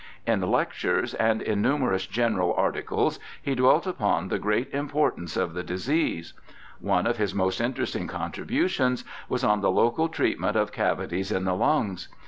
In lec tures and in numerous general articles he dwelt upon the great importance of the disease. One of his most interesting contributions was on the local treatment of cavities in the lungs.